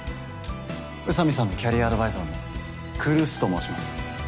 宇佐美さんのキャリアアドバイザーの来栖と申します。